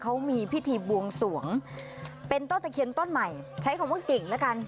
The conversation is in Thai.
เขามีพิธีบวงสวงเป็นต้นตะเคียนต้นใหม่ใช้คำว่าเก่งแล้วกัน